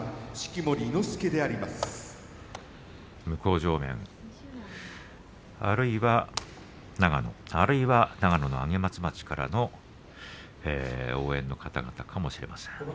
向正面、あるいは長野あるいは長野・上松町応援の方だったかもしれません。